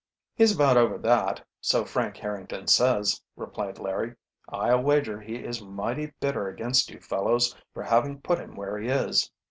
"He's about over that, so Frank Harrington says," replied Larry. "I'll wager he is mighty bitter against you fellows for having put him where he is."